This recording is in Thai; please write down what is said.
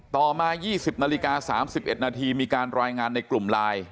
ต่อมา๒๐นาฬิกา๓๑นาทีมีการรายงานในกลุ่มไลน์